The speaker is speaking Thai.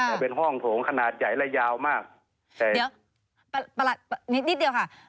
ค่ะแต่เป็นห้องถงขนาดใหญ่และยาวมากใช่เดี๋ยวประนิดเดียวค่ะ